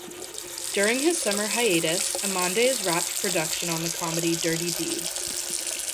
During his summer hiatus, Amandes wrapped production on the comedy "Dirty Deeds".